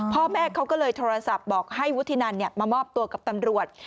พ่อแม่เขาก็เลยโทรศัพท์บอกให้วุฒินันมามอบตัวกับตำรวจ